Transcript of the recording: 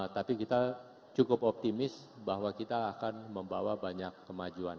tapi kita cukup optimis bahwa kita akan membawa banyak kemajuan